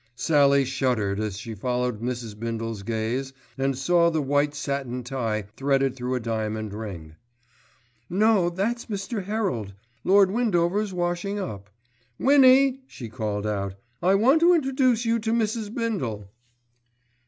Sallie shuddered as she followed Mrs. Bindle's gaze and saw the white satin tie threaded through a diamond ring. "No, that's Mr. Herald. Lord Windover's washing up. Winnie," she called out, "I want to introduce you to Mrs. Bindle."